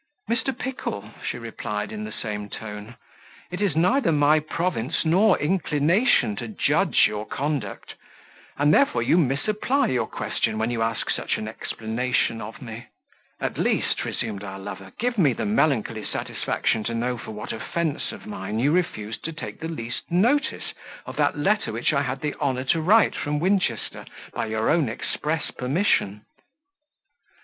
"Mr. Pickle," she replied, in the same tone, "it is neither my province nor inclination to judge your conduct; and therefore you misapply your question when you ask such an explanation of me" "At least" resumed our lover, "give me the melancholy satisfaction to know for what offence of mine you refused to take least notice of that letter which I had the honour to write from Winchester by your own express permission."